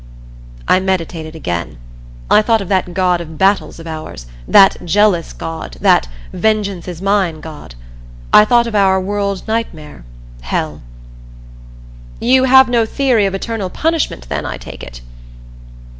I meditated again. I thought of that God of Battles of ours, that Jealous God, that Vengeance is mine God. I thought of our world nightmare Hell. "You have no theory of eternal punishment then, I take it?"